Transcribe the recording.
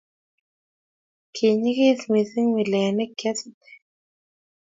ki nyegis mising mile ne kiasute